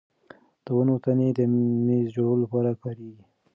د ونو تنې د مېز جوړولو لپاره کارېږي.